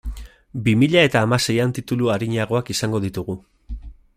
Bi mila eta hamaseian titulu arinagoak izango ditugu.